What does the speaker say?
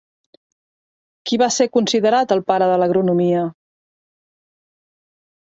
Qui va ser considerat el pare de l'agronomia?